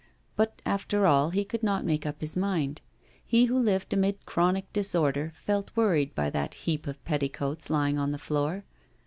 But, after all, he could not make up his mind. He who lived amid chronic disorder felt worried by that heap of petticoats lying on the floor.